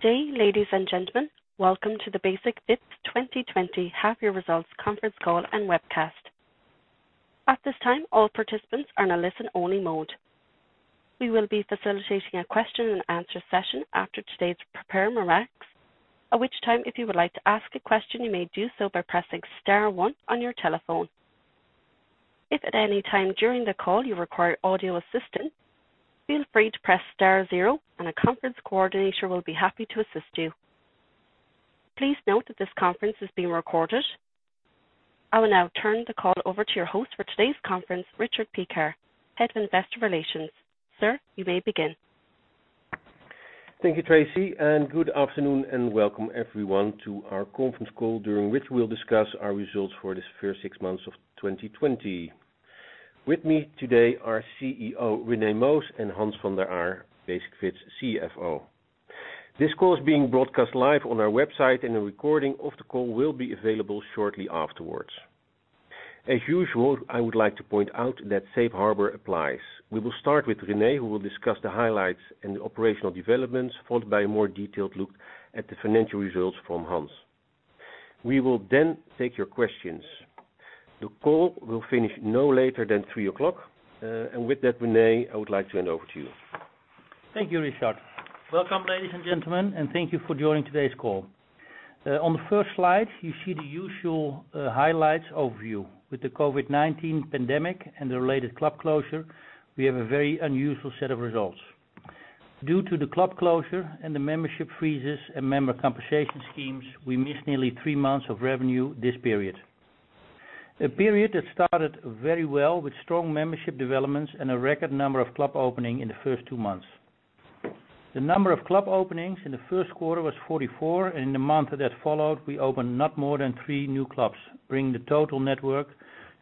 Good day, ladies and gentlemen. Welcome to the Basic-Fit 2020 half-year results conference call and webcast. At this time, all participants are in a listen-only mode. We will be facilitating a question-and-answer session after today's prepared remarks, at which time, if you would like to ask a question, you may do so by pressing STAR 1 on your telephone. If at any time during the call you require audio assistance, feel free to press STAR 0, and a conference coordinator will be happy to assist you. Please note that this conference is being recorded. I will now turn the call over to your host for today's conference, Richard Piekaar, Head of Investor Relations. Sir, you may begin. Thank you, Tracy, and good afternoon and welcome everyone to our conference call, during which we'll discuss our results for the first six months of 2020. With me today are CEO René Moos and Hans van der Aar, Basic-Fit CFO. This call is being broadcast live on our website, and a recording of the call will be available shortly afterwards. As usual, I would like to point out that safe harbor applies. We will start with René, who will discuss the highlights and the operational developments, followed by a more detailed look at the financial results from Hans. We will then take your questions. The call will finish no later than 3:00 P.M. With that, René, I would like to hand over to you. Thank you, Richard. Welcome, ladies and gentlemen, and thank you for joining today's call. On the first slide, you see the usual highlights overview. With the COVID-19 pandemic and the related club closure, we have a very unusual set of results. Due to the club closure and the membership freezes and member compensation schemes, we missed nearly three months of revenue this period. A period that started very well with strong membership developments and a record number of club openings in the first two months. The number of club openings in First Quarter was 44, and in the month that followed, we opened not more than three new clubs, bringing the total network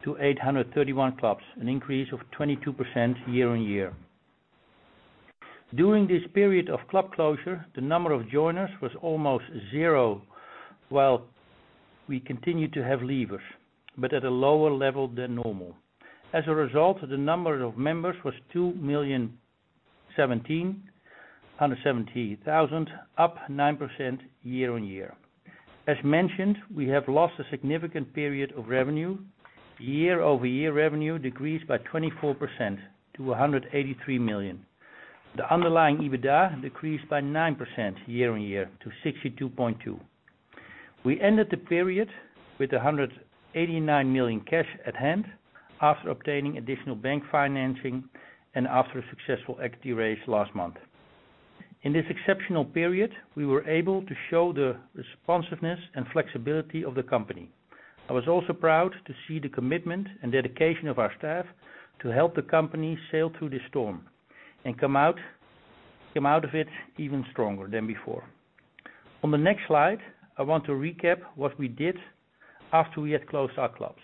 to 831 clubs, an increase of 22% year on year. During this period of club closure, the number of joiners was almost zero, while we continued to have leavers, but at a lower level than normal. As a result, the number of members was 2,017,000, up 9% year on year. As mentioned, we have lost a significant period of revenue. Year-over-year revenue decreased by 24% to 183 million. The underlying EBITDA decreased by 9% year on year to 62.2 million. We ended the period with 189 million cash at hand after obtaining additional bank financing and after a successful equity raise last month. In this exceptional period, we were able to show the responsiveness and flexibility of the company. I was also proud to see the commitment and dedication of our staff to help the company sail through the storm and come out of it even stronger than before. On the next slide, I want to recap what we did after we had closed our clubs.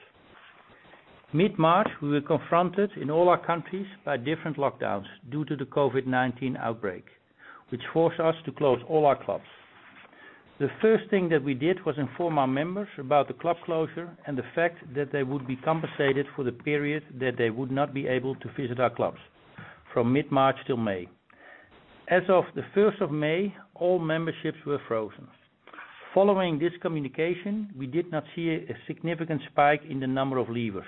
Mid-March, we were confronted in all our countries by different lockdowns due to the COVID-19 outbreak, which forced us to close all our clubs. The first thing that we did was inform our members about the club closure and the fact that they would be compensated for the period that they would not be able to visit our clubs from mid-March till May. As of the 1st of May, all memberships were frozen. Following this communication, we did not see a significant spike in the number of leavers,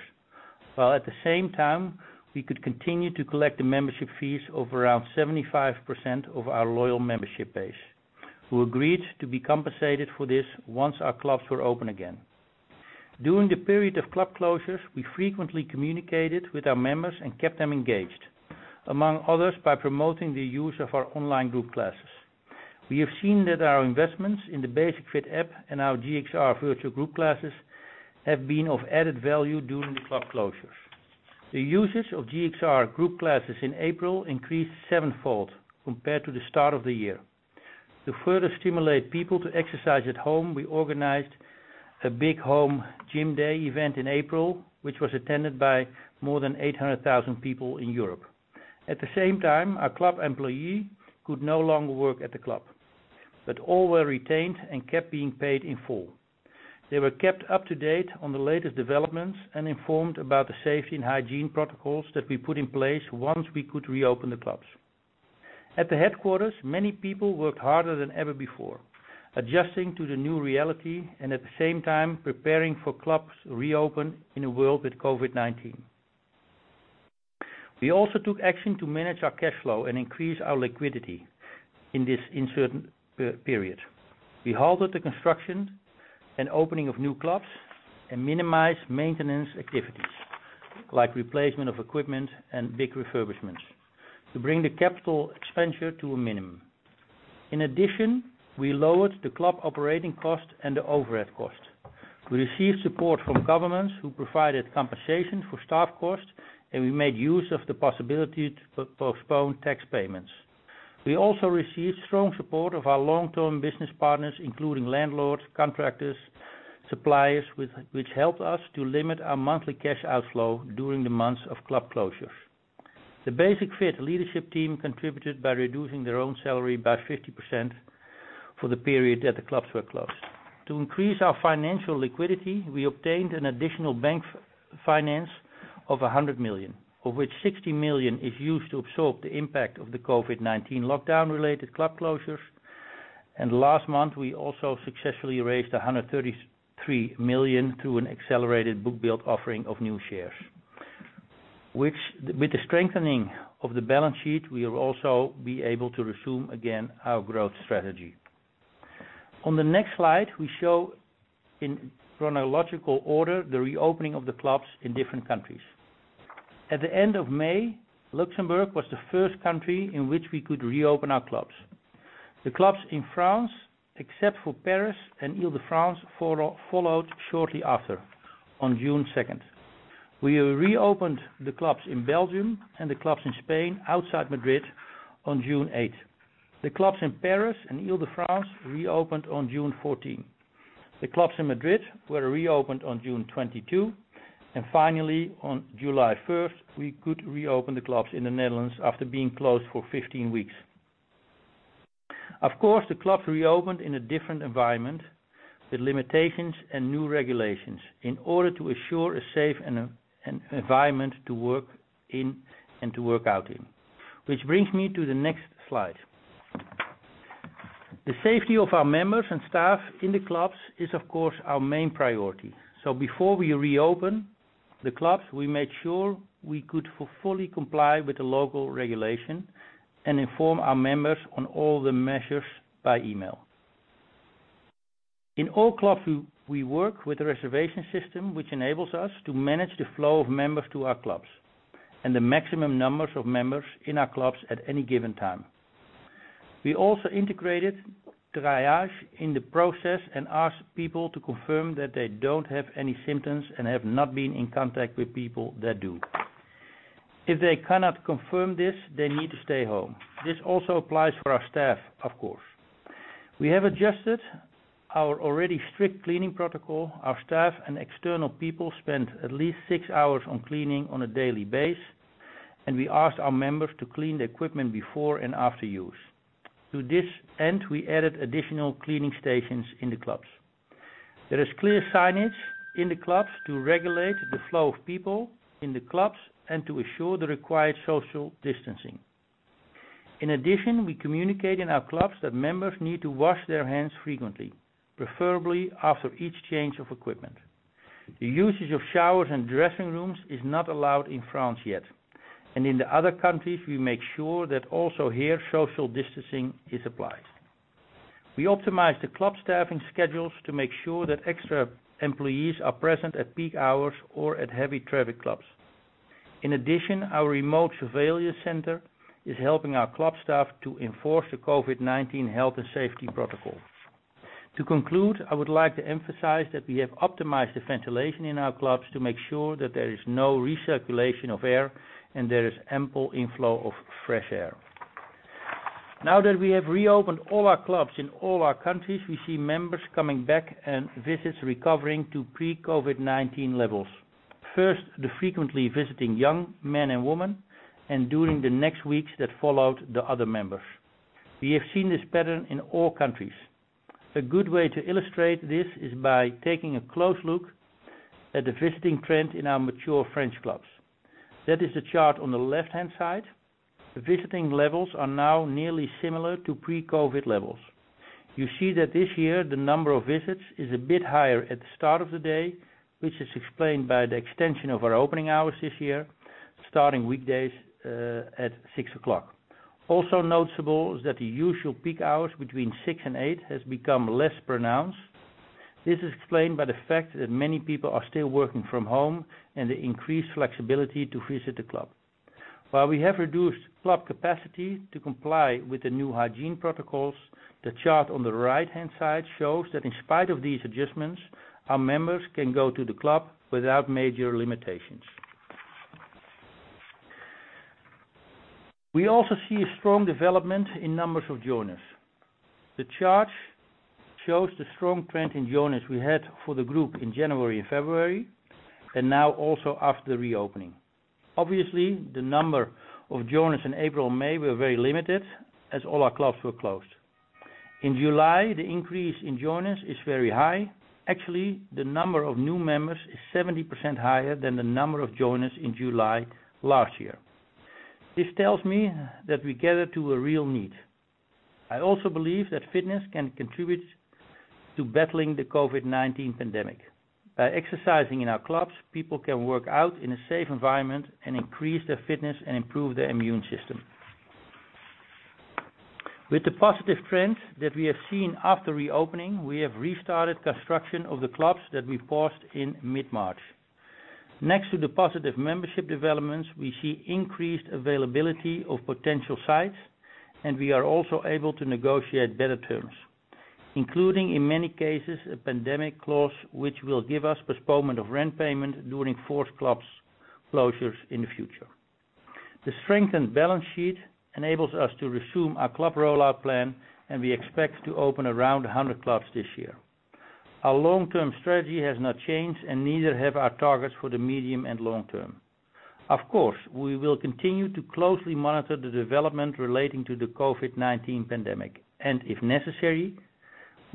while at the same time, we could continue to collect the membership fees of around 75% of our loyal membership base, who agreed to be compensated for this once our clubs were open again. During the period of club closures, we frequently communicated with our members and kept them engaged, among others, by promoting the use of our online group classes. We have seen that our investments in the Basic-Fit App and our GXR Virtual Group Classes have been of added value during the club closures. The usage of GXR group classes in April increased sevenfold compared to the start of the year. To further stimulate people to exercise at home, we organized a big home gym day event in April, which was attended by more than 800,000 people in Europe. At the same time, our club employees could no longer work at the club, but all were retained and kept being paid in full. They were kept up to date on the latest developments and informed about the safety and hygiene protocols that we put in place once we could reopen the clubs. At the headquarters, many people worked harder than ever before, adjusting to the new reality and at the same time preparing for clubs' reopening in a world with COVID-19. We also took action to manage our cash flow and increase our liquidity in this uncertain period. We halted the construction and opening of new clubs and minimized maintenance activities like replacement of equipment and big refurbishments to bring the capital expenditure to a minimum. In addition, we lowered the club operating cost and the overhead cost. We received support from governments who provided compensation for staff cost, and we made use of the possibility to postpone tax payments. We also received strong support of our long-term business partners, including landlords, contractors, and suppliers, which helped us to limit our monthly cash outflow during the months of club closures. The Basic-Fit leadership team contributed by reducing their own salary by 50% for the period that the clubs were closed. To increase our financial liquidity, we obtained an additional bank finance of 100 million, of which 60 million is used to absorb the impact of the COVID-19 lockdown-related club closures. Last month, we also successfully raised 133 million through an accelerated book-build offering of new shares. With the strengthening of the balance sheet, we will also be able to resume again our growth strategy. On the next slide, we show in chronological order the reopening of the clubs in different countries. At the end of May, Luxembourg was the first country in which we could reopen our clubs. The clubs in France, except for Paris and Île-de-France, followed shortly after on June 2nd. We reopened the clubs in Belgium and the clubs in Spain outside Madrid on June 8th. The clubs in Paris and Île-de-France reopened on June 14th. The clubs in Madrid were reopened on June 22nd. Finally, on July 1st, we could reopen the clubs in the Netherlands after being closed for 15 weeks. Of course, the clubs reopened in a different environment with limitations and new regulations in order to assure a safe environment to work in and to work out in. Which brings me to the next slide. The safety of our members and staff in the clubs is, of course, our main priority. Before we reopen the clubs, we made sure we could fully comply with the local regulation and inform our members on all the measures by email. In all clubs, we work with a reservation system which enables us to manage the flow of members to our clubs and the maximum numbers of members in our clubs at any given time. We also integrated triage in the process and asked people to confirm that they do not have any symptoms and have not been in contact with people that do. If they cannot confirm this, they need to stay home. This also applies for our staff, of course. We have adjusted our already strict cleaning protocol. Our staff and external people spend at least six hours on cleaning on a daily basis, and we asked our members to clean the equipment before and after use. To this end, we added additional cleaning stations in the clubs. There is clear signage in the clubs to regulate the flow of people in the clubs and to assure the required social distancing. In addition, we communicate in our clubs that members need to wash their hands frequently, preferably after each change of equipment. The usage of showers and dressing rooms is not allowed in France yet. In the other countries, we make sure that also here social distancing is applied. We optimize the club staffing schedules to make sure that extra employees are present at peak hours or at heavy traffic clubs. In addition, our remote surveillance center is helping our club staff to enforce the COVID-19 health and safety protocol. To conclude, I would like to emphasize that we have optimized the ventilation in our clubs to make sure that there is no recirculation of air and there is ample inflow of fresh air. Now that we have reopened all our clubs in all our countries, we see members coming back and visits recovering to pre-COVID-19 levels. First, the frequently visiting young men and women, and during the next weeks that followed the other members. We have seen this pattern in all countries. A good way to illustrate this is by taking a close look at the visiting trend in our mature French clubs. That is the chart on the left-hand side. The visiting levels are now nearly similar to pre-COVID levels. You see that this year the number of visits is a bit higher at the start of the day, which is explained by the extension of our opening hours this year, starting weekdays at 6:00 A.M. Also noticeable is that the usual peak hours between 6:00 and 8:00 have become less pronounced. This is explained by the fact that many people are still working from home and the increased flexibility to visit the club. While we have reduced club capacity to comply with the new hygiene protocols, the chart on the right-hand side shows that in spite of these adjustments, our members can go to the club without major limitations. We also see a strong development in numbers of joiners. The chart shows the strong trend in joiners we had for the group in January and February, and now also after the reopening. Obviously, the number of joiners in April and May were very limited as all our clubs were closed. In July, the increase in joiners is very high. Actually, the number of new members is 70% higher than the number of joiners in July last year. This tells me that we cater to a real need. I also believe that fitness can contribute to battling the COVID-19 pandemic. By exercising in our clubs, people can work out in a safe environment and increase their fitness and improve their immune system. With the positive trend that we have seen after reopening, we have restarted construction of the clubs that we paused in mid-March. Next to the positive membership developments, we see increased availability of potential sites, and we are also able to negotiate better terms, including in many cases a pandemic clause, which will give us postponement of rent payment during forced club closures in the future. The strengthened balance sheet enables us to resume our club rollout plan, and we expect to open around 100 clubs this year. Our long-term strategy has not changed, and neither have our targets for the medium and long term. Of course, we will continue to closely monitor the development relating to the COVID-19 pandemic, and if necessary,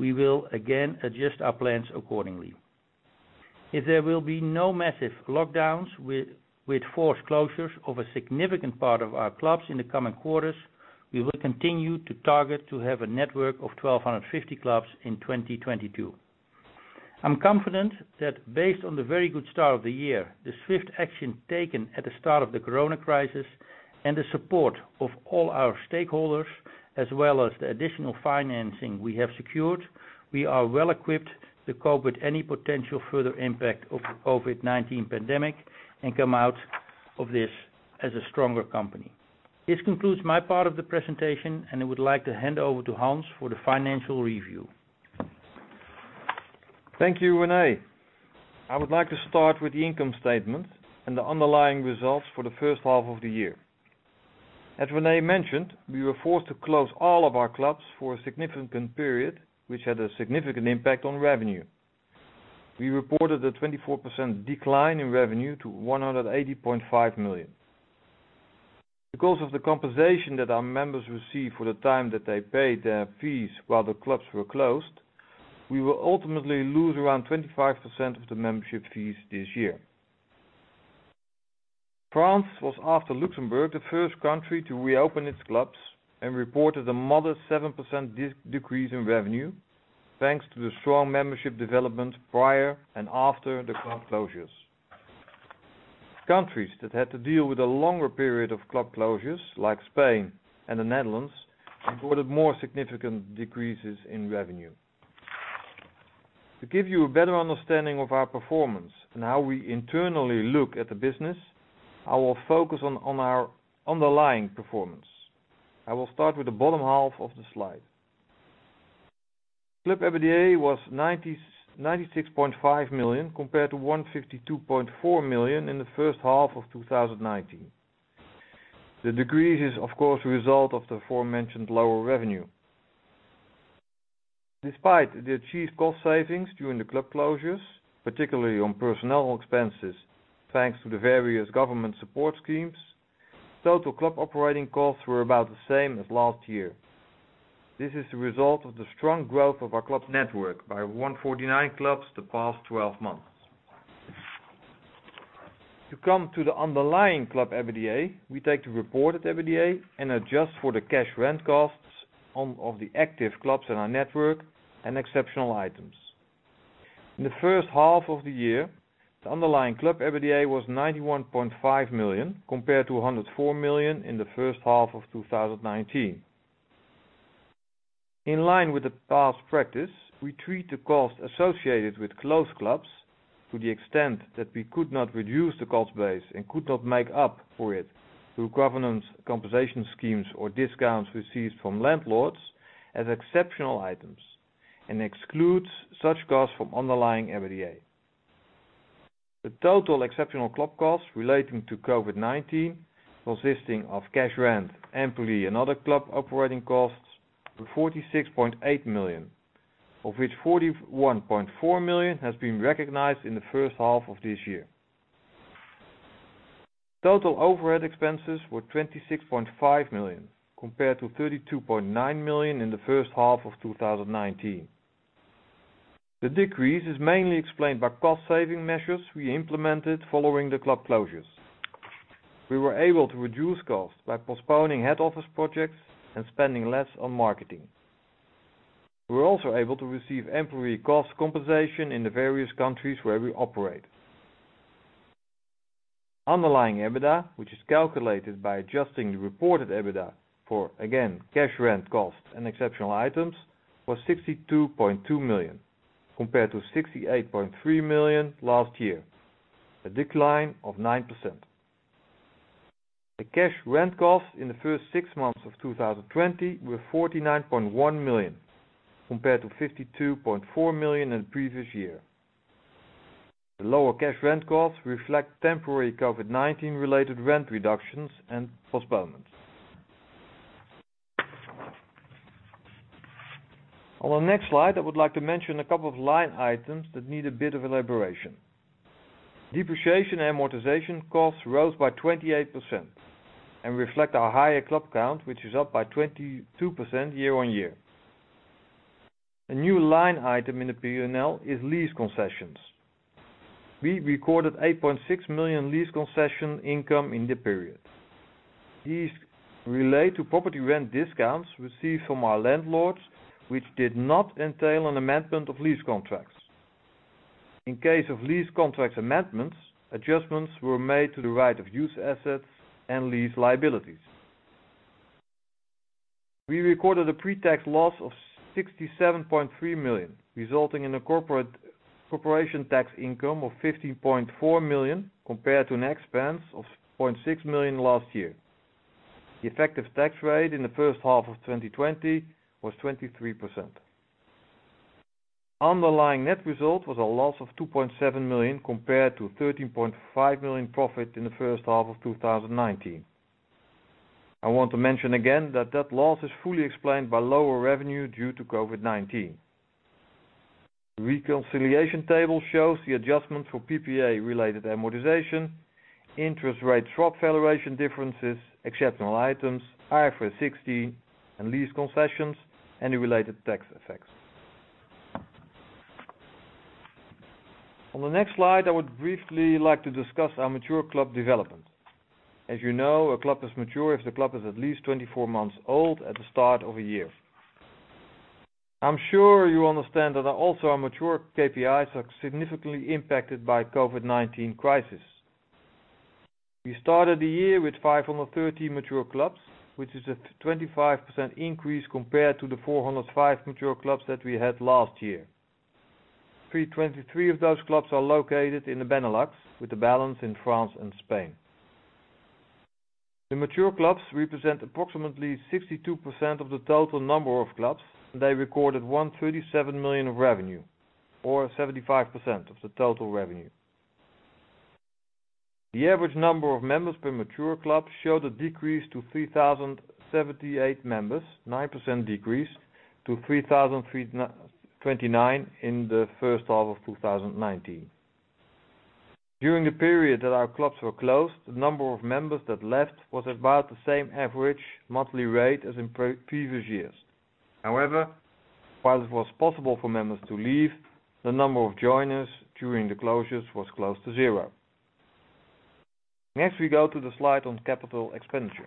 we will again adjust our plans accordingly. If there will be no massive lockdowns with forced closures of a significant part of our clubs in the coming quarters, we will continue to target to have a network of 1,250 clubs in 2022. I'm confident that based on the very good start of the year, the swift action taken at the start of the corona crisis, and the support of all our stakeholders, as well as the additional financing we have secured, we are well equipped to cope with any potential further impact of the COVID-19 pandemic and come out of this as a stronger company. This concludes my part of the presentation, and I would like to hand over to Hans for the financial review. Thank you, René. I would like to start with the income statement and the underlying results for the first half of the year. As René mentioned, we were forced to close all of our clubs for a significant period, which had a significant impact on revenue. We reported a 24% decline in revenue to 180.5 million. Because of the compensation that our members receive for the time that they paid their fees while the clubs were closed, we will ultimately lose around 25% of the membership fees this year. France was, after Luxembourg, the first country to reopen its clubs and reported a modest 7% decrease in revenue, thanks to the strong membership development prior and after the club closures. Countries that had to deal with a longer period of club closures, like Spain and the Netherlands, reported more significant decreases in revenue. To give you a better understanding of our performance and how we internally look at the business, I will focus on our underlying performance. I will start with the bottom half of the slide. Club EBITDA was 96.5 million compared to 152.4 million in the first half of 2019. The decrease is, of course, a result of the aforementioned lower revenue. Despite the achieved cost savings during the club closures, particularly on personnel expenses thanks to the various government support schemes, total club operating costs were about the same as last year. This is the result of the strong growth of our club network by 149 clubs the past 12 months. To come to the underlying Club EBITDA, we take the reported EBITDA and adjust for the cash rent costs of the active clubs in our network and exceptional items. In the first half of the year, the underlying Club EBITDA was 91.5 million compared to 104 million in the first half of 2019. In line with the past practice, we treat the cost associated with closed clubs to the extent that we could not reduce the cost base and could not make up for it through government compensation schemes or discounts received from landlords as exceptional items and exclude such costs from underlying EBITDA. The total exceptional club costs relating to COVID-19, consisting of cash rent, employee, and other club operating costs, were 46.8 million, of which 41.4 million has been recognized in the first half of this year. Total overhead expenses were 26.5 million compared to 32.9 million in the first half of 2019. The decrease is mainly explained by cost saving measures we implemented following the club closures. We were able to reduce costs by postponing head office projects and spending less on marketing. We were also able to receive employee cost compensation in the various countries where we operate. Underlying EBITDA, which is calculated by adjusting the reported EBITDA for, again, cash rent costs and exceptional items, was 62.2 million compared to 68.3 million last year, a decline of 9%. The cash rent costs in the first six months of 2020 were 49.1 million compared to 52.4 million in the previous year. The lower cash rent costs reflect temporary COVID-19-related rent reductions and postponements. On the next slide, I would like to mention a couple of line items that need a bit of elaboration. Depreciation and amortization costs rose by 28% and reflect our higher club count, which is up by 22% year on year. A new line item in the P&L is lease concessions. We recorded 8.6 million lease concession income in the period. These relate to property rent discounts received from our landlords, which did not entail an amendment of lease contracts. In case of lease contract amendments, adjustments were made to the right of use assets and lease liabilities. We recorded a pre-tax loss of 67.3 million, resulting in a corporation tax income of 15.4 million compared to an expense of 0.6 million last year. The effective tax rate in the first half of 2020 was 23%. Underlying net result was a loss of 2.7 million compared to 13.5 million profit in the first half of 2019. I want to mention again that that loss is fully explained by lower revenue due to COVID-19. The reconciliation table shows the adjustment for PPA-related amortization, interest rate drop valuation differences, exceptional items, IFRS 16, and lease concessions, and the related tax effects. On the next slide, I would briefly like to discuss our mature club development. As you know, a club is mature if the club is at least 24 months old at the start of a year. I'm sure you understand that also our mature KPIs are significantly impacted by the COVID-19 crisis. We started the year with 530 mature clubs, which is a 25% increase compared to the 405 mature clubs that we had last year. 323 of those clubs are located in the Benelux, with the balance in France and Spain. The mature clubs represent approximately 62% of the total number of clubs, and they recorded 137 million of revenue, or 75% of the total revenue. The average number of members per mature club showed a decrease to 3,078 members, a 9% decrease to 3,029 in the first half of 2019. During the period that our clubs were closed, the number of members that left was about the same average monthly rate as in previous years. However, while it was possible for members to leave, the number of joiners during the closures was close to zero. Next, we go to the slide on capital expenditure.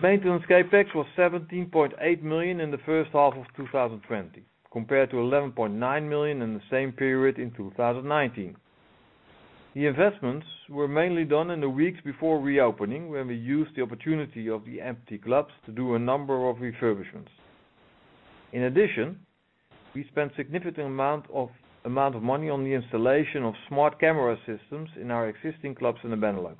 Maintenance CapEx was 17.8 million in the first half of 2020, compared to 11.9 million in the same period in 2019. The investments were mainly done in the weeks before reopening, when we used the opportunity of the empty clubs to do a number of refurbishments. In addition, we spent a significant amount of money on the installation of Smart Camera Systems in our existing clubs in the Benelux.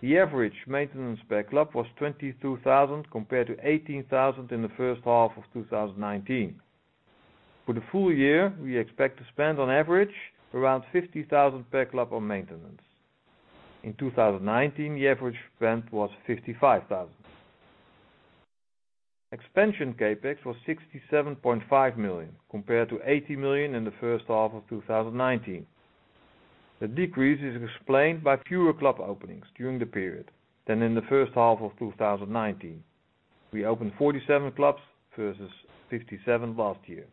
The average maintenance per club was 22,000 compared to 18,000 in the first half of 2019. For the full year, we expect to spend, on average, around 50,000 per club on maintenance. In 2019, the average spend was 55,000. Expansion CapEx was 67.5 million compared to 80 million in the first half of 2019. The decrease is explained by fewer club openings during the period than in the first half of 2019. We opened 47 clubs versus 57 last year.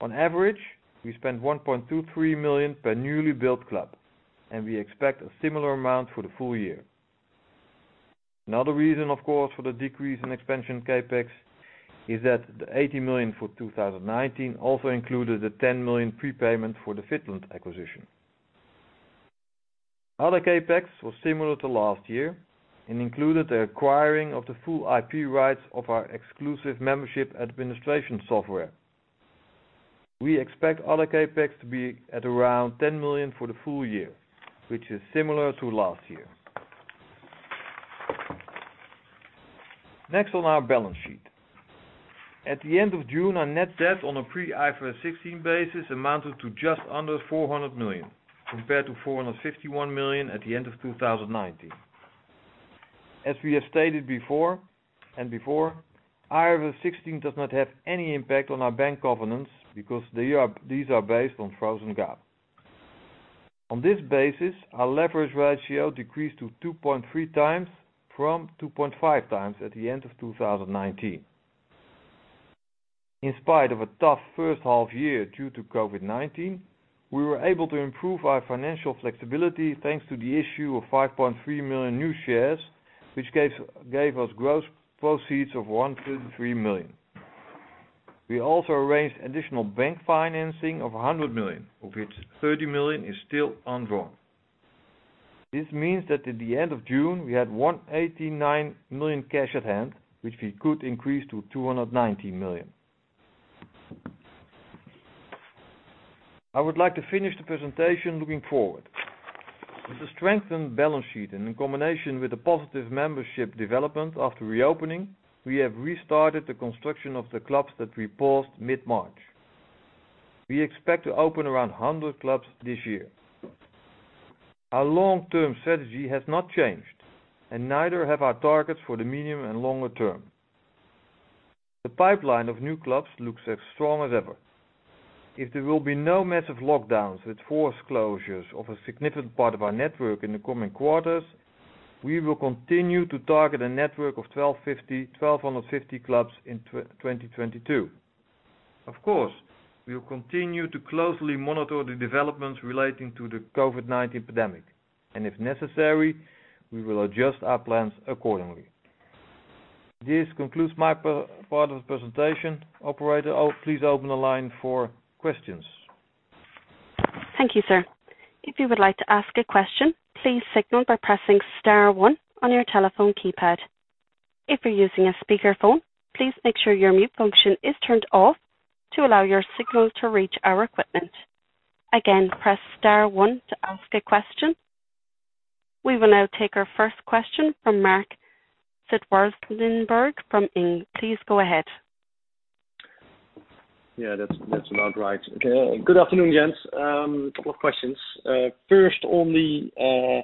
On average, we spent 1.23 million per newly built club, and we expect a similar amount for the full year. Another reason, of course, for the decrease in expansion CapEx is that the 80 million for 2019 also included the 10 million prepayment for the Fitland acquisition. Other CapEx was similar to last year and included the acquiring of the full IP rights of our exclusive membership administration software. We expect other CapEx to be at around 10 million for the full year, which is similar to last year. Next, on our balance sheet. At the end of June, our net debt on a pre-IFRS 16 basis amounted to just under 400 million compared to 451 million at the end of 2019. As we have stated before, IFRS 16 does not have any impact on our bank governance because these are based on frozen GAAP. On this basis, our leverage ratio decreased to 2.3 times from 2.5 times at the end of 2019. In spite of a tough first half year due to COVID-19, we were able to improve our financial flexibility thanks to the issue of 5.3 million new shares, which gave us gross proceeds of 133 million. We also arranged additional bank financing of 100 million, of which 30 million is still undrawn. This means that at the end of June, we had 189 million cash at hand, which we could increase to 290 million. I would like to finish the presentation looking forward. With the strengthened balance sheet and in combination with the positive membership development after reopening, we have restarted the construction of the clubs that we paused mid-March. We expect to open around 100 clubs this year. Our long-term strategy has not changed, and neither have our targets for the medium and longer term. The pipeline of new clubs looks as strong as ever. If there will be no massive lockdowns with forced closures of a significant part of our network in the coming quarters, we will continue to target a network of 1,250 clubs in 2022. Of course, we will continue to closely monitor the developments relating to the COVID-19 pandemic, and if necessary, we will adjust our plans accordingly. This concludes my part of the presentation. Operator, please open the line for questions. Thank you, sir. If you would like to ask a question, please signal by pressing Star 1 on your telephone keypad. If you're using a speakerphone, please make sure your mute function is turned off to allow your signal to reach our equipment. Again, press Star 1 to ask a question. We will now take our first question from Marc Zwartsenburg from ING. Please go ahead. Yeah, that's about right. Good afternoon, gents. A couple of questions. First, on the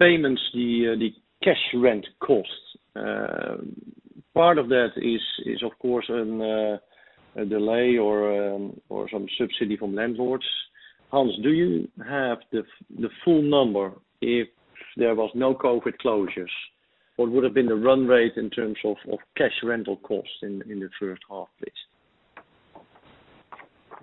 payments, the cash rent costs, part of that is, of course, a delay or some subsidy from landlords. Hans, do you have the full number? If there were no COVID closures, what would have been the run rate in terms of cash rental costs in the first half, please?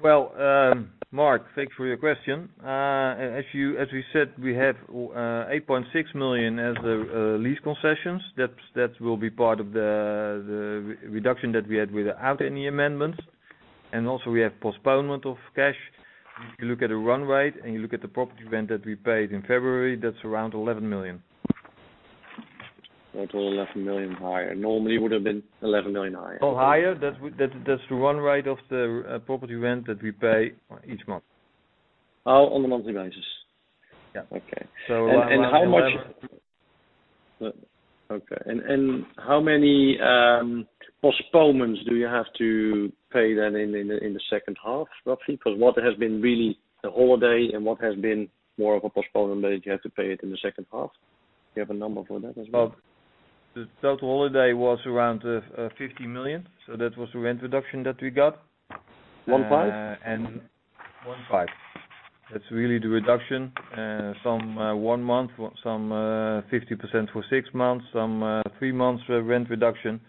Mark, thank you for your question. As we said, we have 8.6 million as the lease concessions that will be part of the reduction that we had without any amendments. Also, we have postponement of cash. If you look at the run rate and you look at the property rent that we paid in February, that's around 11 million. A total of 11 million higher. Normally, it would have been 11 million higher. Oh, higher? That's the run rate of the property rent that we pay each month. Oh, on a monthly basis. Yeah. Okay. And how much? Okay. And how many postponements do you have to pay then in the second half, roughly? Because what has been really the holiday and what has been more of a postponement that you have to pay it in the second half? Do you have a number for that as well? The total holiday was around 50 million. That was the rent reduction that we got. One-five? One-five. That is really the reduction. Some one month, some 50% for six months, some three months rent reduction,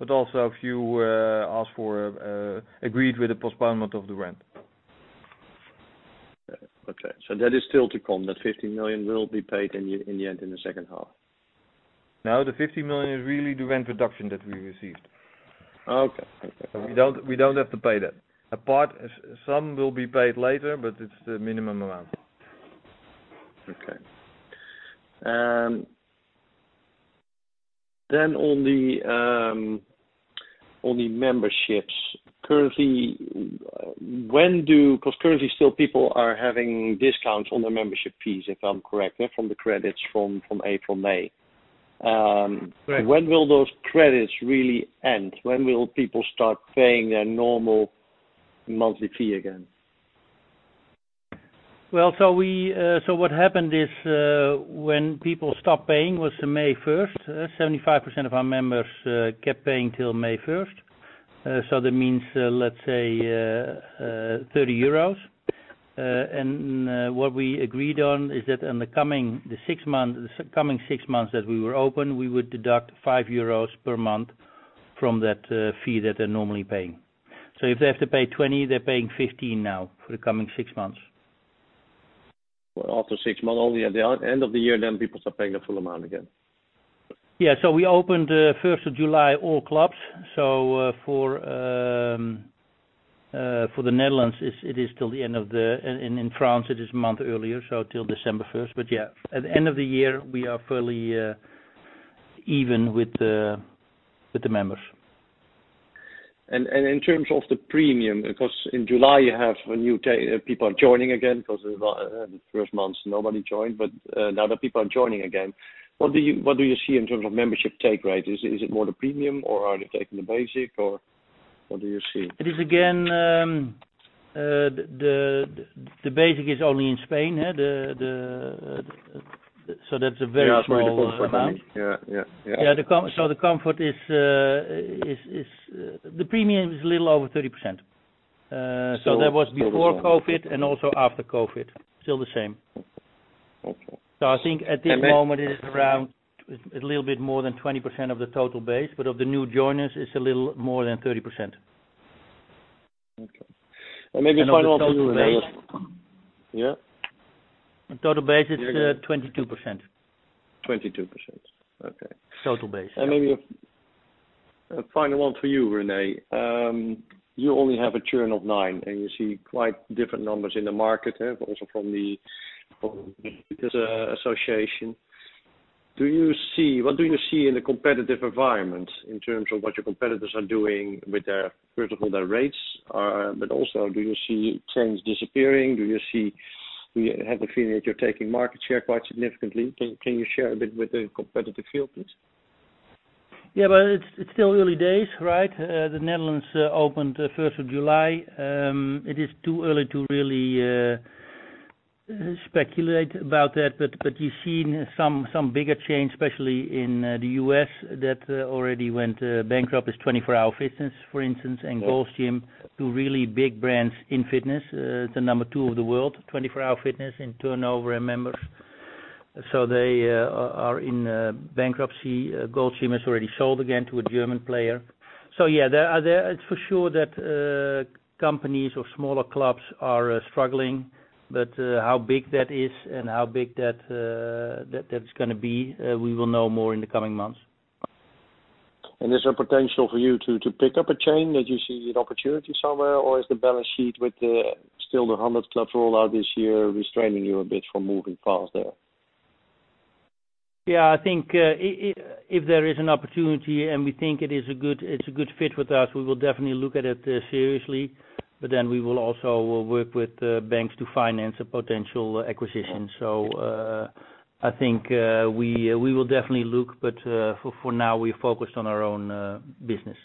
but also a few agreed with the postponement of the rent. Okay. That is still to come, that 50 million will be paid in the end in the second half? No, the 50 million is really the rent reduction that we received. Okay. We do not have to pay that. Some will be paid later, but it is the minimum amount. Okay. On the memberships, when do because currently, still, people are having discounts on their membership fees, if I'm correct, from the credits from April, May. When will those credits really end? When will people start paying their normal monthly fee again? What happened is when people stopped paying was May 1. 75% of our members kept paying till May 1. That means, let's say, 30 euros. What we agreed on is that in the coming six months, the coming six months that we were open, we would deduct 5 euros per month from that fee that they're normally paying. If they have to pay 20, they're paying 15 now for the coming six months. After six months, only at the end of the year, then people start paying the full amount again. Yeah. We opened the 1st of July, all clubs. For the Netherlands, it is till the end of the year. In France, it is a month earlier, so till December 1st. At the end of the year, we are fairly even with the members. In terms of the premium, because in July, you have new people joining again, because the first months, nobody joined, but now people are joining again. What do you see in terms of membership take rate? Is it more the premium, or are they taking the basic, or what do you see? The basic is only in Spain, so that is a very small amount. The comfort is, the premium is a little over 30%. That was before COVID and also after COVID. Still the same. I think at this moment, it is around a little bit more than 20% of the total base, but of the new joiners, it's a little more than 30%. Okay. Maybe a final one for you, René. Yeah? The total base is 22%. 22%. Okay. Total base. Maybe a final one for you, René. You only have a churn of nine, and you see quite different numbers in the market, also from the association. What do you see in the competitive environment in terms of what your competitors are doing with their, first of all, their rates, but also, do you see change disappearing? Do you have a feeling that you're taking market share quite significantly? Can you share a bit with the competitive field, please? Yeah, but it's still early days, right? The Netherlands opened the 1st of July. It is too early to really speculate about that, but you've seen some bigger change, especially in the US, that already went bankrupt is 24 Hour Fitness, for instance, and Gold's Gym, two really big brands in fitness. It's the number two of the world, 24 Hour Fitness in turnover and members. They are in bankruptcy. Gold's Gym has already sold again to a German player. Yeah, it's for sure that companies or smaller clubs are struggling, but how big that is and how big that's going to be, we will know more in the coming months. Is there potential for you to pick up a chain that you see an opportunity somewhere, or is the balance sheet with still the 100 clubs rollout this year restraining you a bit from moving fast there? Yeah, I think if there is an opportunity and we think it's a good fit with us, we will definitely look at it seriously, but then we will also work with banks to finance a potential acquisition. I think we will definitely look, but for now, we're focused on our own business.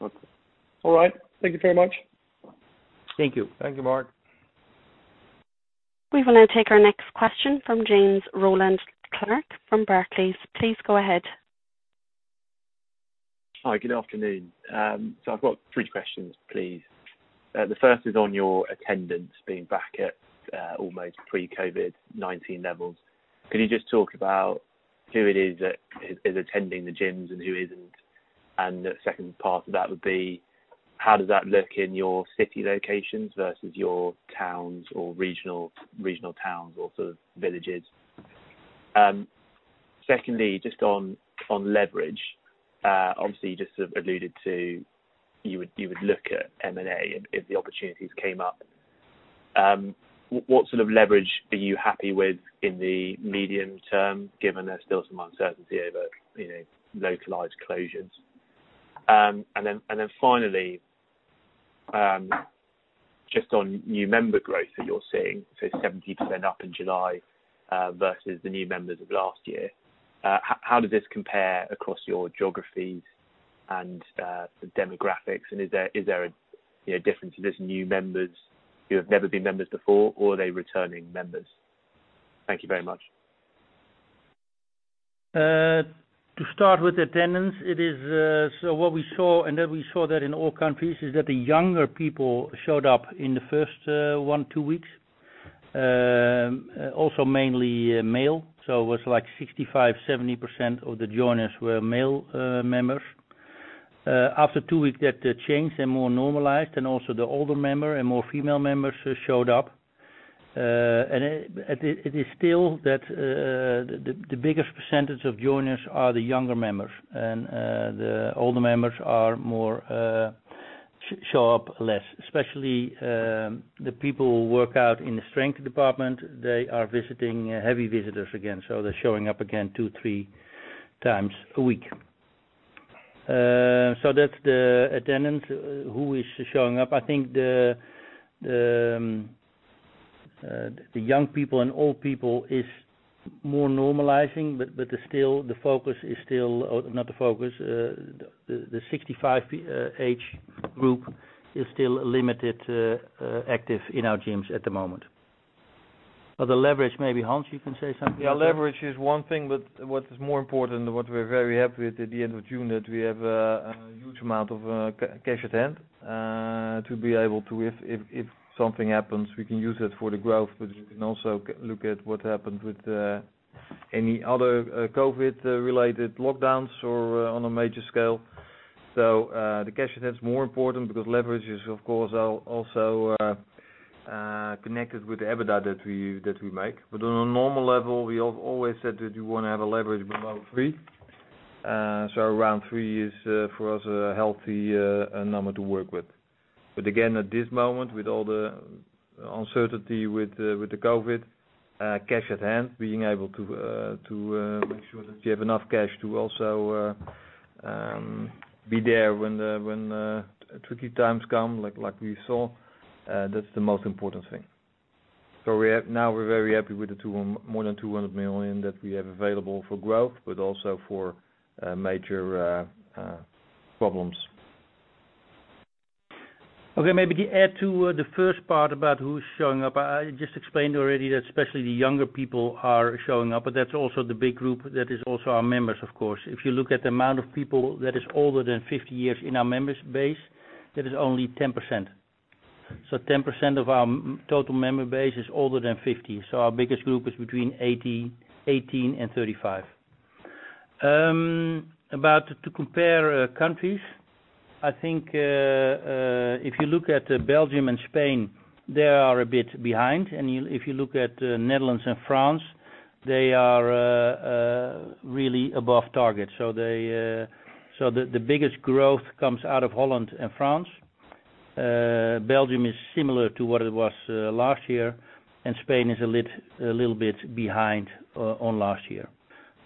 Okay. All right. Thank you very much. Thank you. Thank you, Mark. We will now take our next question from James Rowland Clark from Barclays. Please go ahead. Hi, good afternoon. I've got three questions, please. The first is on your attendance being back at almost pre-COVID-19 levels. Could you just talk about who it is that is attending the gyms and who isn't? The second part of that would be, how does that look in your city locations versus your towns or regional towns or sort of villages? Secondly, just on leverage, obviously, you just alluded to you would look at M&A if the opportunities came up. What sort of leverage are you happy with in the medium term, given there is still some uncertainty over localized closures? Finally, just on new member growth that you are seeing, so 70% up in July versus the new members of last year, how does this compare across your geographies and demographics? Is there a difference if there are new members who have never been members before, or are they returning members? Thank you very much. To start with attendance, it is so what we saw, and then we saw that in all countries, is that the younger people showed up in the first one, two weeks, also mainly male. It was like 65-70% of the joiners were male members. After two weeks, that changed and more normalized, and also the older member and more female members showed up. It is still that the biggest percentage of joiners are the younger members, and the older members show up less, especially the people who work out in the strength department. They are visiting heavy visitors again, so they're showing up again two, three times a week. That is the attendance. Who is showing up? I think the young people and old people is more normalizing, but still, the focus is still not the focus. The 65 age group is still limited active in our gyms at the moment. The leverage, maybe Hans, you can say something about that. Yeah, leverage is one thing, but what is more important, what we're very happy with at the end of June, that we have a huge amount of cash at hand to be able to, if something happens, we can use it for the growth, but we can also look at what happened with any other COVID-related lockdowns or on a major scale. The cash at hand is more important because leverage is, of course, also connected with the EBITDA that we make. On a normal level, we always said that you want to have a leverage below three. Around three is, for us, a healthy number to work with. Again, at this moment, with all the uncertainty with the COVID, cash at hand, being able to make sure that you have enough cash to also be there when tricky times come, like we saw, that's the most important thing. Now we're very happy with the more than 200 million that we have available for growth, but also for major problems. Maybe to add to the first part about who's showing up, I just explained already that especially the younger people are showing up, but that's also the big group that is also our members, of course. If you look at the amount of people that is older than 50 years in our members' base, that is only 10%. So 10% of our total member base is older than 50. Our biggest group is between 18 and 35. To compare countries, I think if you look at Belgium and Spain, they are a bit behind. If you look at Netherlands and France, they are really above target. The biggest growth comes out of Holland and France. Belgium is similar to what it was last year, and Spain is a little bit behind on last year.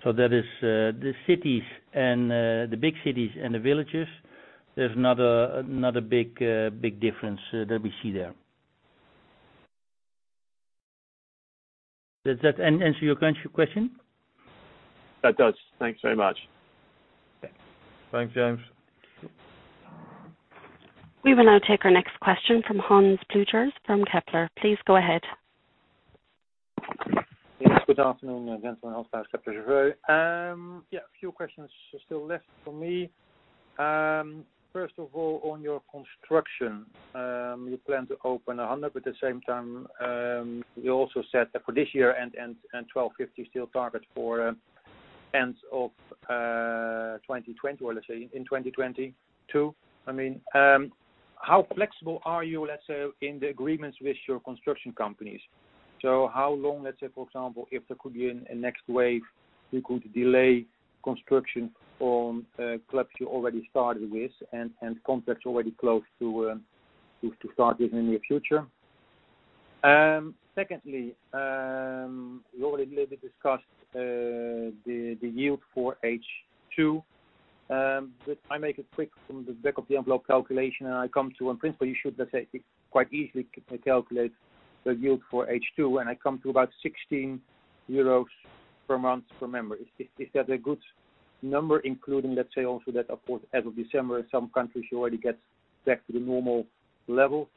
That is the cities and the big cities and the villages. There is another big difference that we see there. Does that answer your question? That does. Thanks very much. Thanks, James. We will now take our next question from Hans Pluijgers from Kepler. Please go ahead. Yes. Good afternoon, Gentlemen of Kepler Cheuvreux. Yeah, a few questions still left for me. First of all, on your construction, you plan to open 100, but at the same time, you also said that for this year and 1,250, still target for end of 2020 or, let's say, in 2022. I mean, how flexible are you, let's say, in the agreements with your construction companies? How long, let's say, for example, if there could be a next wave, you could delay construction on clubs you already started with and contracts already closed to start with in the near future? Secondly, we already a little bit discussed the yield for H2, but I make it quick from the back of the envelope calculation, and I come to, in principle, you should, let's say, quite easily calculate the yield for H2, and I come to about €16 per month per member. Is that a good number, including, let's say, also that, of course, as of December, some countries already get back to the normal level?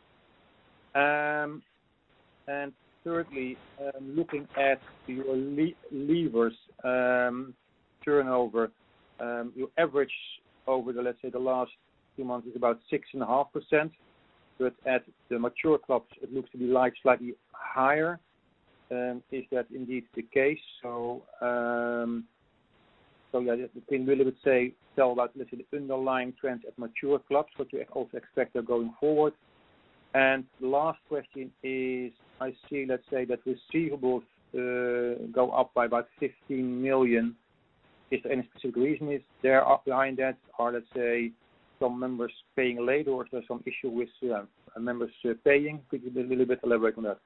Thirdly, looking at your leavers turnover, your average over the, let's say, the last few months is about 6.5%, but at the mature clubs, it looks to be slightly higher. Is that indeed the case? Yeah, we would say tell about, let's say, the underlying trends at mature clubs, what you also expect going forward. The last question is, I see, let's say, that receivables go up by about 15 million. Is there any specific reason behind that? Are, let's say, some members paying late, or is there some issue with members paying? Could you be a little bit elaborate on that?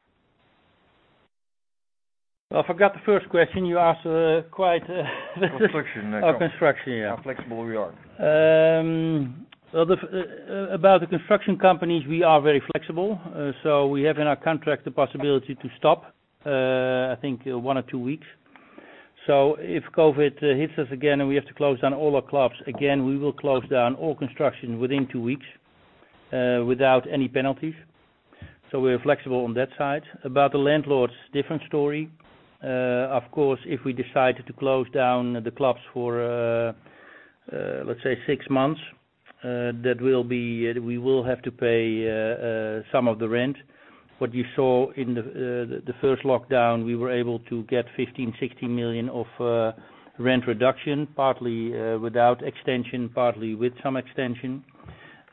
I forgot the first question. You asked quite the construction. Oh, construction, yeah. How flexible you are. About the construction companies, we are very flexible. We have in our contract the possibility to stop, I think, one or two weeks. If COVID hits us again and we have to close down all our clubs again, we will close down all construction within two weeks without any penalties. We are flexible on that side. About the landlords, different story. Of course, if we decide to close down the clubs for, let's say, six months, we will have to pay some of the rent. What you saw in the first lockdown, we were able to get 15 million-€16 million of rent reduction, partly without extension, partly with some extension.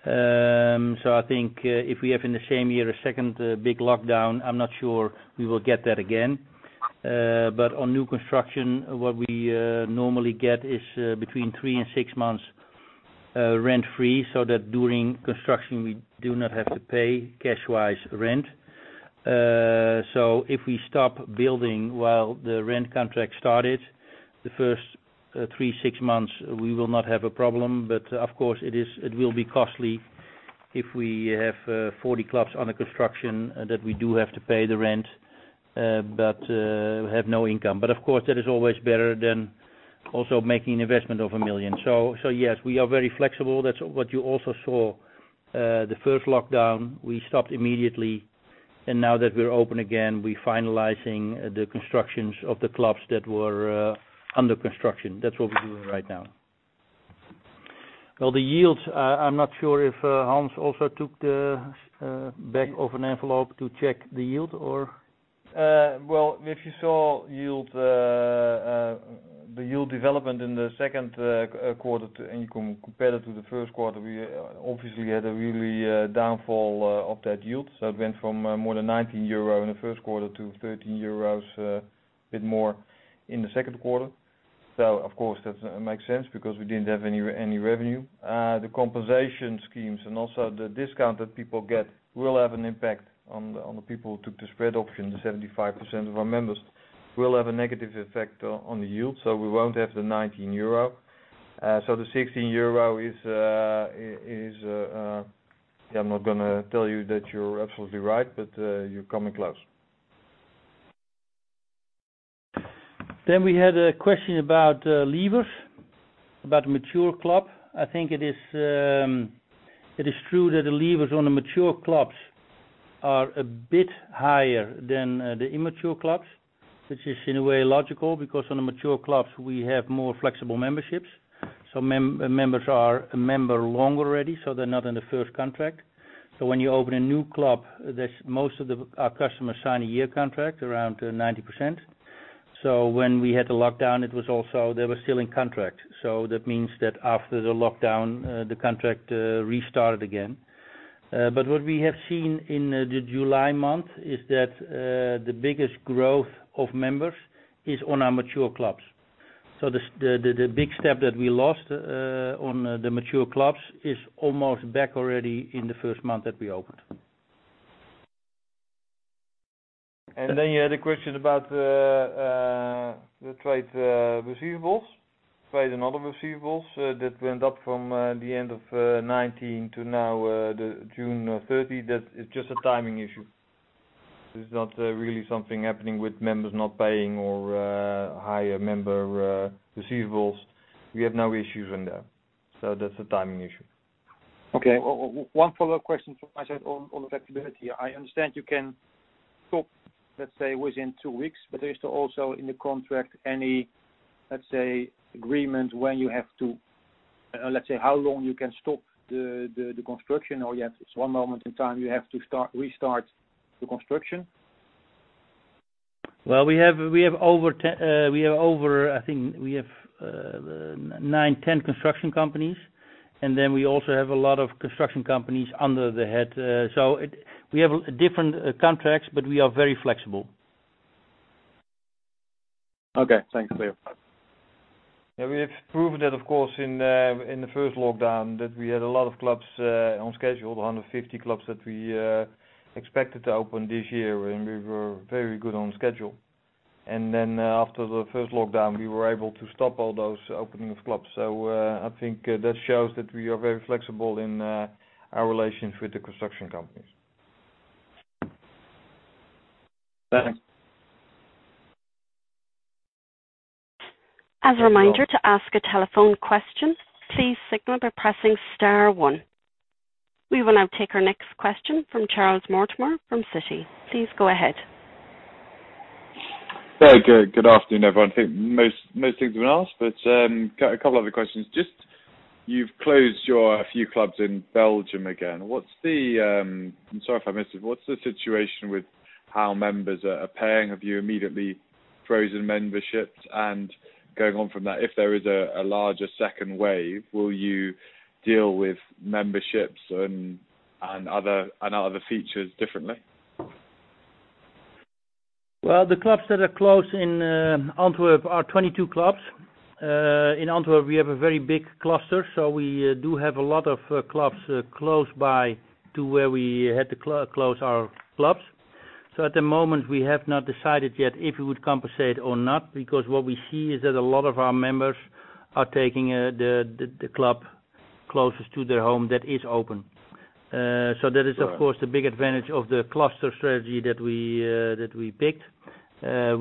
I think if we have in the same year a second big lockdown, I am not sure we will get that again. On new construction, what we normally get is between three and six months rent-free so that during construction, we do not have to pay cash-wise rent. If we stop building while the rent contract started, the first three-six months, we will not have a problem. Of course, it will be costly if we have 40 clubs under construction that we do have to pay the rent but have no income. Of course, that is always better than also making an investment of a million. Yes, we are very flexible. That is what you also saw. The first lockdown, we stopped immediately, and now that we are open again, we are finalizing the constructions of the clubs that were under construction. That is what we are doing right now. The yields, I am not sure if Hans also took the back of an envelope to check the yield, or? If you saw the yield development in the Second Quarter compared to First Quarter, we obviously had a real downfall of that yield. It went from more than €19 in First Quarter to €13, a bit more, in the Second Quarter. Of course, that makes sense because we did not have any revenue. The compensation schemes and also the discount that people get will have an impact on the people who took the spread option, the 75% of our members will have a negative effect on the yield. We will not have the €19. The €16 is, yeah, I am not going to tell you that you are absolutely right, but you are coming close. We had a question about leavers, about mature club. I think it is true that the leavers on the mature clubs are a bit higher than the immature clubs, which is in a way logical because on the mature clubs, we have more flexible memberships. So members are a member longer already, so they're not in the first contract. When you open a new club, most of our customers sign a year contract, around 90%. When we had the lockdown, it was also they were still in contract. That means that after the lockdown, the contract restarted again. What we have seen in the July month is that the biggest growth of members is on our mature clubs. The big step that we lost on the mature clubs is almost back already in the first month that we opened. You had a question about the trade receivables, trade and other receivables, that went up from the end of 2019 to now, June 30. That is just a timing issue. It's not really something happening with members not paying or higher member receivables. We have no issues in there. That's a timing issue. Okay. One follow-up question from my side on flexibility. I understand you can stop, let's say, within two weeks, but there is also in the contract any, let's say, agreement when you have to, let's say, how long you can stop the construction, or you have one moment in time you have to restart the construction? We have over, I think we have nine, ten construction companies, and then we also have a lot of construction companies under the head. We have different contracts, but we are very flexible. Okay. Thanks, René. Yeah, we've proven that, of course, in the first lockdown, that we had a lot of clubs on schedule, 150 clubs that we expected to open this year, and we were very good on schedule. After the first lockdown, we were able to stop all those opening of clubs. I think that shows that we are very flexible in our relations with the construction companies. Thanks. As a reminder to ask a telephone question, please signal by pressing star one. We will now take our next question from Charles Mortimer from Citi. Please go ahead. Very good. Good afternoon, everyone. I think most things have been asked, but a couple other questions. Just you've closed a few clubs in Belgium again. I'm sorry if I missed it. What's the situation with how members are paying? Have you immediately frozen memberships? Going on from that, if there is a larger second wave, will you deal with memberships and other features differently? The clubs that are closed in Antwerp are 22 clubs. In Antwerp, we have a very big cluster, so we do have a lot of clubs close by to where we had to close our clubs. At the moment, we have not decided yet if we would compensate or not because what we see is that a lot of our members are taking the club closest to their home that is open. That is, of course, the big advantage of the cluster strategy that we picked.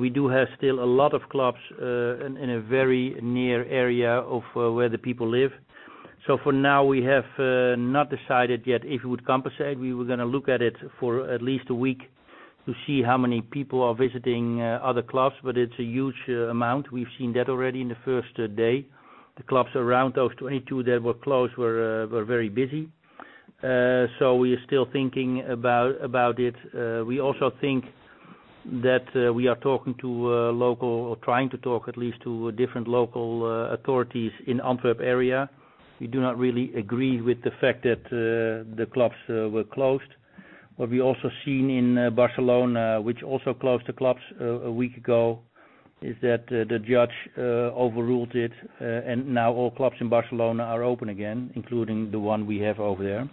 We do have still a lot of clubs in a very near area of where the people live. For now, we have not decided yet if we would compensate. We were going to look at it for at least a week to see how many people are visiting other clubs, but it's a huge amount. We've seen that already in the first day. The clubs around those 22 that were closed were very busy. We are still thinking about it. We also think that we are talking to local or trying to talk at least to different local authorities in the Antwerp area. We do not really agree with the fact that the clubs were closed. What we also have seen in Barcelona, which also closed the clubs a week ago, is that the judge overruled it, and now all clubs in Barcelona are open again, including the one we have over there.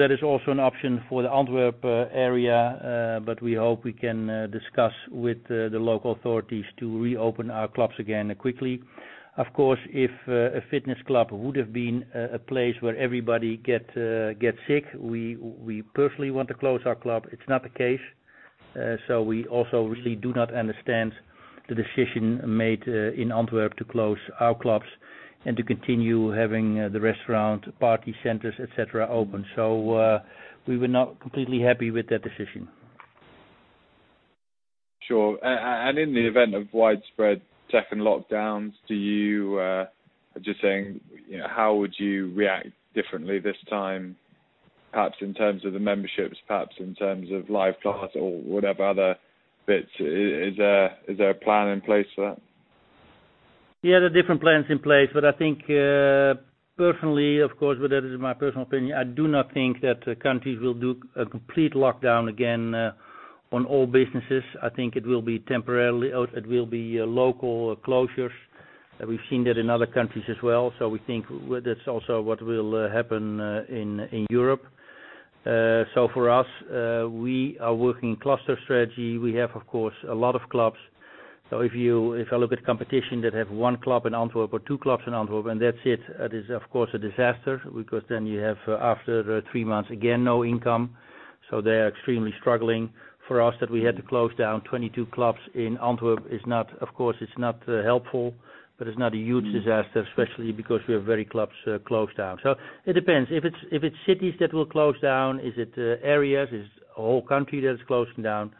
That is also an option for the Antwerp area, but we hope we can discuss with the local authorities to reopen our clubs again quickly. Of course, if a fitness club would have been a place where everybody gets sick, we personally want to close our club. It's not the case. We also really do not understand the decision made in Antwerp to close our clubs and to continue having the restaurants, party centers, etc., open. We were not completely happy with that decision. Sure. In the event of widespread second lockdowns, you just saying how would you react differently this time, perhaps in terms of the memberships, perhaps in terms of live clubs or whatever other bits? Is there a plan in place for that? Yeah, there are different plans in place, but I think personally, of course, but that is my personal opinion. I do not think that countries will do a complete lockdown again on all businesses. I think it will be temporary. It will be local closures. We've seen that in other countries as well. We think that's also what will happen in Europe. For us, we are working cluster strategy. We have, of course, a lot of clubs. If I look at competition that have one club in Antwerp or two clubs in Antwerp and that's it, that is, of course, a disaster because then you have after three months again no income. They are extremely struggling. For us, that we had to close down 22 clubs in Antwerp is not, of course, it's not helpful, but it's not a huge disaster, especially because we have very clubs closed down. It depends. If it's cities that will close down, is it areas, is it a whole country that is closing down?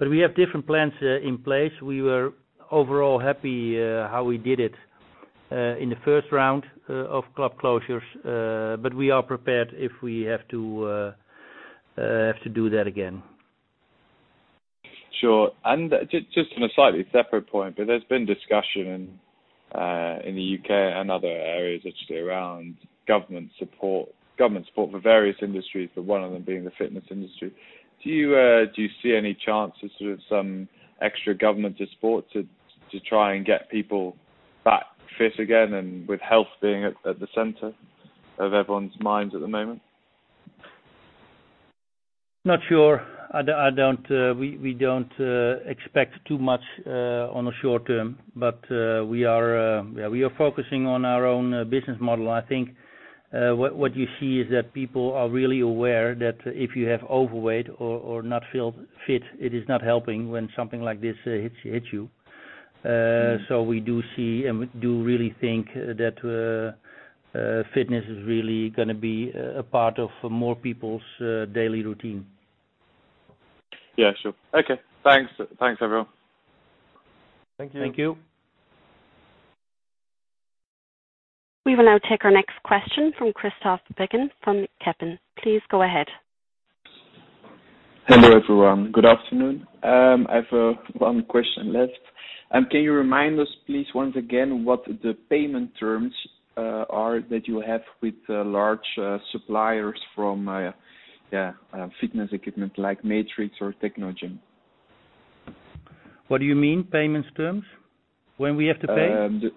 We have different plans in place. We were overall happy how we did it in the first round of club closures, but we are prepared if we have to do that again. Sure. Just on a slightly separate point, there has been discussion in the U.K. and other areas actually around government support for various industries, but one of them being the fitness industry. Do you see any chance of sort of some extra government support to try and get people back fit again and with health being at the center of everyone's minds at the moment? Not sure. We do not expect too much on the short term, but we are focusing on our own business model. I think what you see is that people are really aware that if you have overweight or not feel fit, it is not helping when something like this hits you. We do see and we do really think that fitness is really going to be a part of more people's daily routine. Yeah, sure. Okay. Thanks, everyone. Thank you. We will now take our next question from Christoph Bicken from Kepler Cheuvreux. Please go ahead. Hello everyone. Good afternoon. I have one question left. Can you remind us, please, once again what the payment terms are that you have with large suppliers from, yeah, fitness equipment like Matrix or Technogym? What do you mean, payment terms? When we have to pay?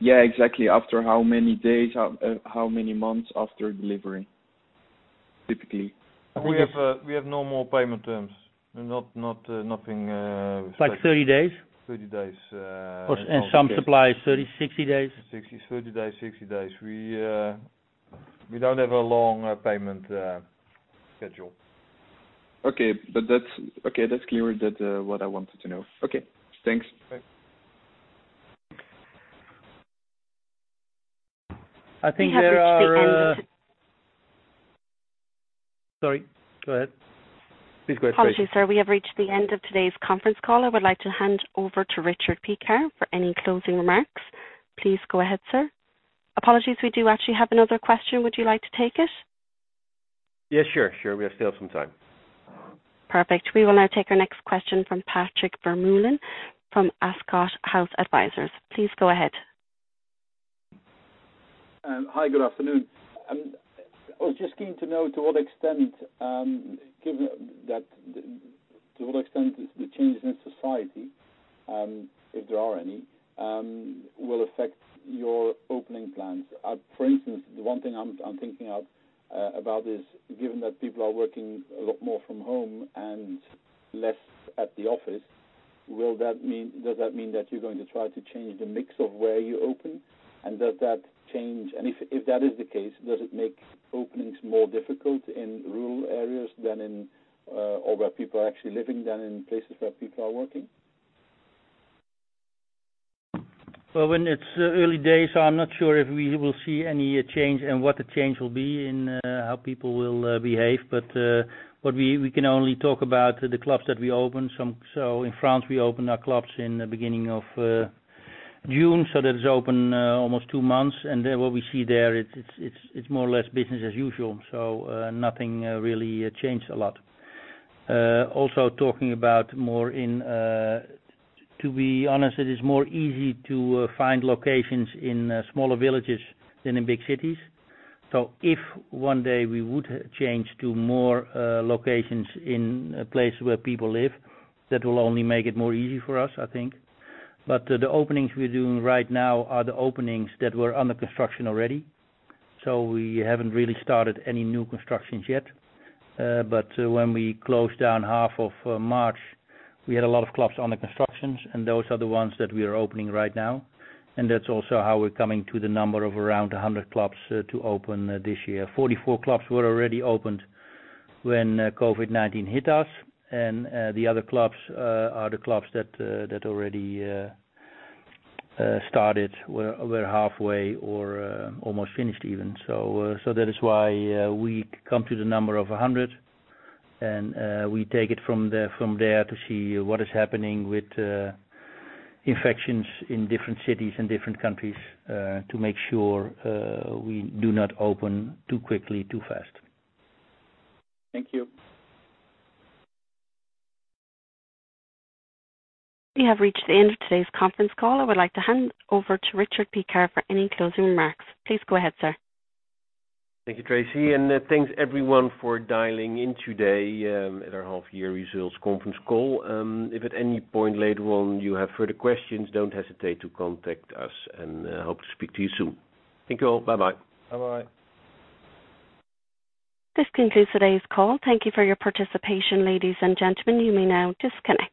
Yeah, exactly. After how many days, how many months after delivery, typically? We have normal payment terms. Nothing strange. Like 30 days? 30 days. And some suppliers, 30, 60 days? 30 days, 60 days. We do not have a long payment schedule. Okay. Okay. That is clearer than what I wanted to know. Okay. Thanks. I think we have reached the end of— Sorry. Go ahead. Please go ahead. Please go ahead. Hi, sir. We have reached the end of today's conference call. I would like to hand over to Richard Piekaar for any closing remarks. Please go ahead, sir. Apologies, we do actually have another question. Would you like to take it? Yeah, sure. Sure. We still have some time. Perfect. We will now take our next question from Patrick Vermeulen from Ascot House Advisers. Please go ahead. Hi, good afternoon. I was just keen to know to what extent, given that to what extent the changes in society, if there are any, will affect your opening plans. For instance, the one thing I'm thinking about is, given that people are working a lot more from home and less at the office, does that mean that you're going to try to change the mix of where you open? If that is the case, does it make openings more difficult in rural areas than in or where people are actually living than in places where people are working? It is early days, I'm not sure if we will see any change and what the change will be in how people will behave. We can only talk about the clubs that we open. In France, we opened our clubs in the beginning of June, so that is open almost two months. What we see there, it's more or less business as usual. Nothing really changed a lot. Also, talking about more in—to be honest, it is more easy to find locations in smaller villages than in big cities. If one day we would change to more locations in places where people live, that will only make it more easy for us, I think. The openings we are doing right now are the openings that were under construction already. We have not really started any new constructions yet. When we closed down half of March, we had a lot of clubs under construction, and those are the ones that we are opening right now. That is also how we are coming to the number of around 100 clubs to open this year. Forty-four clubs were already opened when COVID-19 hit us, and the other clubs are the clubs that already started, were halfway or almost finished even. That is why we come to the number of 100, and we take it from there to see what is happening with infections in different cities and different countries to make sure we do not open too quickly, too fast. Thank you. We have reached the end of today's conference call. I would like to hand over to Richard Piekaar for any closing remarks. Please go ahead, sir. Thank you, Tracy. And thanks, everyone, for dialing in today at our half-year results conference call. If at any point later on you have further questions, don't hesitate to contact us, and hope to speak to you soon. Thank you all. Bye-bye. Bye-bye. This concludes today's call. Thank you for your participation, ladies and gentlemen. You may now disconnect.